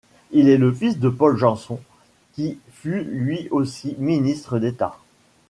Il est le fils de Paul Janson, qui fut lui aussi Ministre d'État.